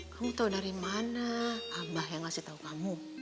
kamu tau dari mana abah yang ngasih tau kamu